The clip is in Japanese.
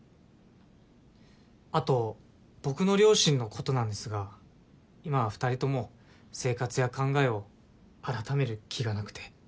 あと僕の両親のことなんですが今は２人とも生活や考えをあらためる気がなくて。